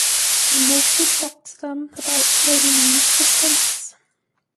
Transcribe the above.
I mostly talked to them about creating youth systems.